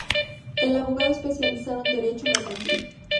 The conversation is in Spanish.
Es abogado especializado en derecho mercantil.